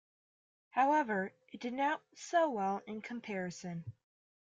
However, it did not sell well in comparison.